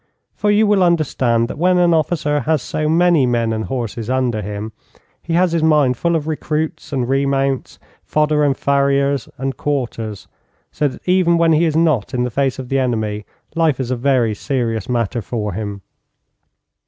For you will understand that when an officer has so many men and horses under him, he has his mind full of recruits and remounts, fodder and farriers, and quarters, so that even when he is not in the face of the enemy, life is a very serious matter for him.